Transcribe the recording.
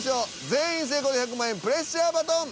全員成功で１００万円プレッシャーバトン。